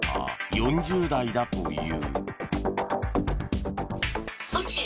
４０代だという。